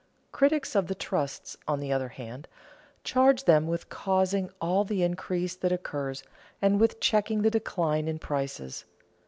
Critics of the trusts, on the other hand, charge them with causing all the increase that occurs, and with checking the decline in prices.